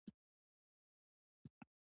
هغه وایي چې معلومات د قدرت سرچینه ده.